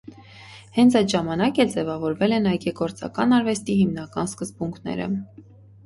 Հենց այդ ժամանակ էլ ձևավորվել են այգեգործական արվեստի հիմնական սկզբունքները։